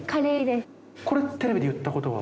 これテレビで言ったことは？